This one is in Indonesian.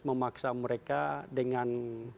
memaksa mereka dengan